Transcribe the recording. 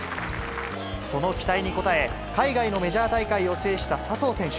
その期待に応え、海外のメジャー大会を制した笹生選手。